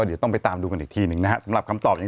เดี๋ยวต้องไปตามดูกันอีกทีหนึ่งนะฮะสำหรับคำตอบอย่าง